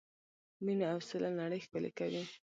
مینه او سوله نړۍ ښکلې کوي.